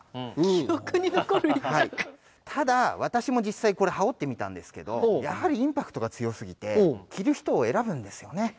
ただ私も実際これ羽織ってみたんですけどやはりインパクトが強すぎて着る人を選ぶんですよね。